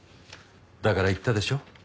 だから言ったでしょ。